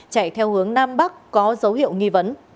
chạy theo hướng nam bắc có dấu hiệu nghi vấn